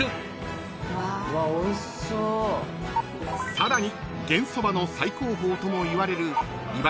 ［さらに］